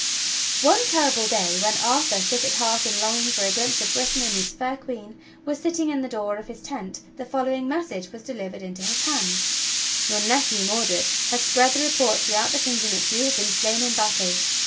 One terrible day when Arthur, sick at heart and longing for a glimpse of Britain and his fair Queen, was sitting in the door of his tent, the following message was delivered into his hands: "Your nephew, Mordred, has spread the report throughout the kingdom that you have been slain in battle.